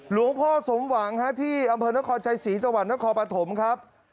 หลวงพ่อสมหวังที่อำเภอนครชัยศรีจังหวัดนครปฐมครับ